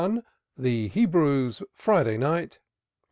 THE HEBREW'S FRIDAY NIGHT.